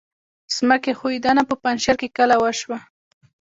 ځمکې ښویدنه په پنجشیر کې کله وشوه؟